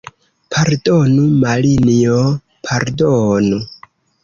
Pardonu, Marinjo, pardonu!